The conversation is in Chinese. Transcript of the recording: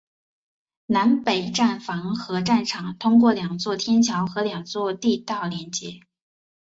南北站房和站场通过两座天桥和两座地道连接。